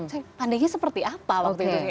saya pandemi seperti apa waktu itu